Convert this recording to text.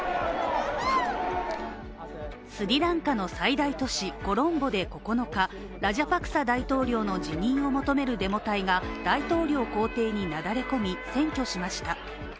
スリランカの最大都市コロンボで９日ラジャパクサ大統領の辞任を求めるデモ隊が大統領公邸になだれ込み占拠しました。